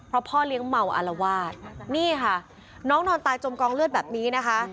เพราะพ่อเลี้ยงเมาอารวาสนี่ค่ะน้องนอนตายจมกองเลือดแบบนี้นะคะ